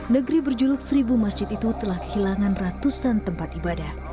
negeri berjuluk seribu masjid itu telah kehilangan ratusan tempat ibadah